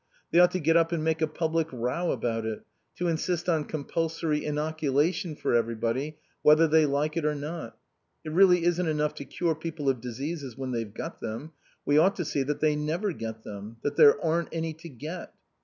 They ought to get up and make a public row about it, to insist on compulsory inoculation for everybody whether they like it or not. It really isn't enough to cure people of diseases when they've got them. We ought to see that they never get them, that there aren't any to get...